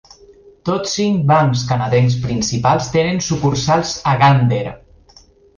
Tots cinc bancs canadencs principals tenen sucursals a Gander.